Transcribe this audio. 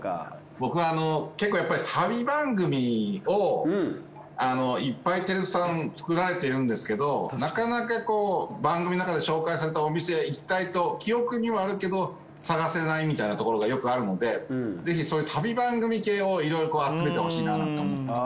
僕は結構やっぱり旅番組をいっぱいテレ東さん作られているんですけどなかなか番組のなかで紹介されたお店行きたいと記憶にはあるけど探せないみたいなところがよくあるのでぜひそういう旅番組系をいろいろ集めてほしいななんて思ってます。